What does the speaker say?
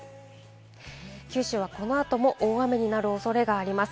九州はこの後も大雨になる恐れがあります。